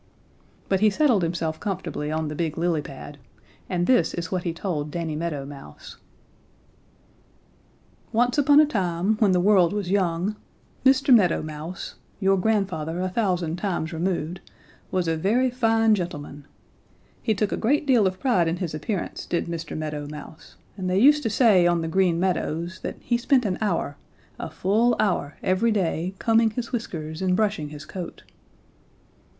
But he settled himself comfortably on the big lily pad, and this is what he told Danny Meadow Mouse: "Once upon a time, when the world was young, Mr. Meadow Mouse, your grandfather a thousand times removed, was a very fine gentleman. He took a great deal of pride in his appearance, did Mr. Meadow Mouse, and they used to say on the Green Meadows that he spent an hour, a full hour, every day combing his whiskers and brushing his coat.